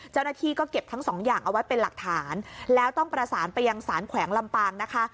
เจ้าหน้าที่ก็เก็บทั้งสองอย่างเอาไว้เป็นหลักฐานแล้วต้องประสานไปยังสารแขวงลำปางนะคะ